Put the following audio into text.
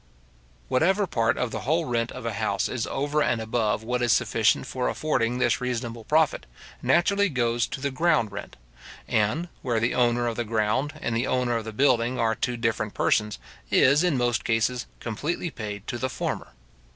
Whatever part of the whole rent of a house is over and above what is sufficient for affording this reasonable profit, naturally goes to the ground rent; and, where the owner of the ground and the owner of the building are two different persons, is, in most cases, completely paid to the former.